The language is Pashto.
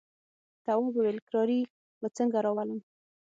تواب وويل: کراري به څنګه راولم.